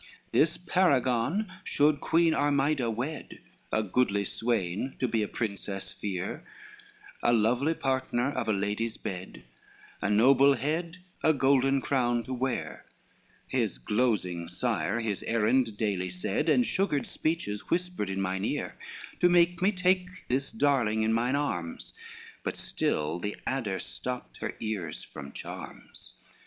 XLVII "This paragon should Queen Armida wed, A goodly swain to be a princess' fere, A lovely partner of a lady's bed, A noble head a golden crown to wear: His glosing sire his errand daily said, And sugared speeches whispered in mine ear To make me take this darling in mine arms, But still the adder stopt her ears from charms.